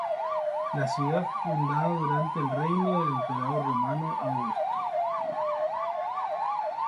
La ciudad fue fundada durante el reinado del emperador romano Augusto.